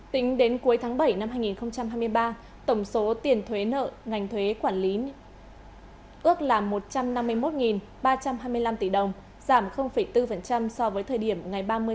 tính đến cuối tháng bảy năm hai nghìn hai mươi ba tổng số tiền thuế nợ ngành thuế quản lý ước là một trăm năm mươi một ba trăm hai mươi năm tỷ đồng giảm bốn so với thời điểm ngày ba mươi tháng sáu năm hai nghìn hai mươi ba tăng hai bốn so với thời điểm ngày ba mươi một tháng một mươi hai năm hai nghìn hai mươi hai